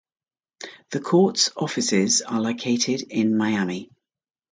The court's offices are located in Miami.